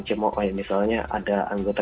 cemoh oh misalnya ada anggota